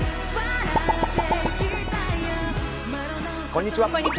こんにちは。